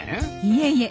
いえいえ